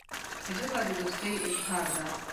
ژبه د دوستۍ اظهار ده